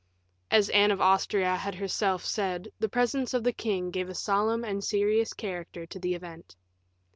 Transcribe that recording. As Anne of Austria had herself said, the presence of the king gave a solemn and serious character to the event.